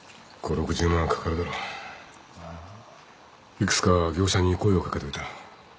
幾つか業者に声を掛けといた。